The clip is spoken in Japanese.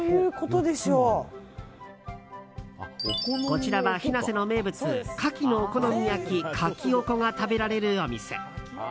こちらは日生の名物カキのお好み焼き、カキオコが食べられるお店。